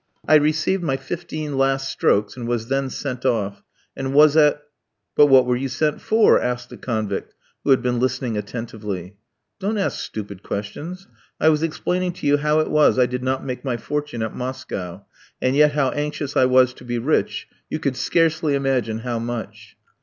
I received my fifteen last strokes and was then sent off, and was at " "But what were you sent for?" asked a convict who had been listening attentively. "Don't ask stupid questions. I was explaining to you how it was I did not make my fortune at Moscow; and yet how anxious I was to be rich, you could scarcely imagine how much."